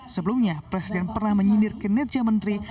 sebelumnya presiden pernah menyindir kinerja menteri